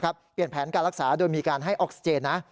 เปลี่ยนแผนการรักษาโดยมีการให้ออกซิเจนนะ